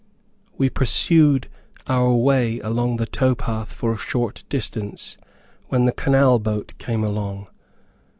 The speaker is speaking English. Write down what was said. We pursued our way along the tow path for a short distance, when the canal boat came along.